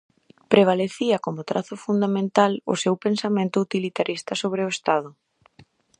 Prevalecía como trazo fundamental o seu pensamento utilitarista sobre o Estado.